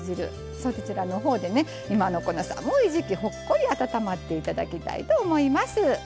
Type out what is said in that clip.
そちらのほうで今のこの寒い時期ほっこり温まっていただきたいと思います。